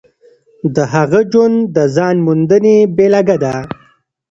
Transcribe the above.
د هغه ژوند د ځان موندنې بېلګه ده.